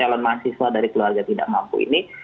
anak anak dari keluarga tidak mampu ini